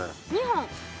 ２本？